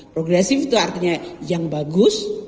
progresif itu artinya yang bagus